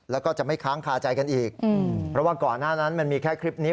แล้วก็จะไม่ค้างคาใจกันอีกเพราะว่าก่อนหน้านั้นมันมีแค่คลิปนี้